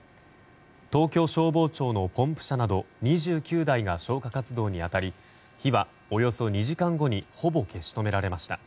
東京消防庁のポンプ車など２９台が消火活動に当たり火はおよそ２時間後にほぼ消し止められました。